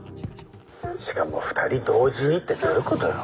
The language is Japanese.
しかも２人同時にってどういうことよ？